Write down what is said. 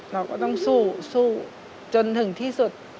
เราก็ต้องสู้สู้จนถึงที่สุด